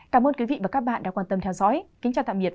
cảm ơn quý vị và các bạn đã theo dõi